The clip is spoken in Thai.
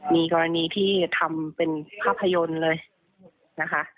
มีกรณีที่ทำเป็นภาพยนตร์เลยนะคะ